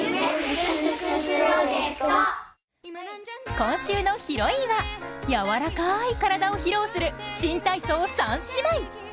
今週のヒロインはやわらかい体を披露する新体操３姉妹。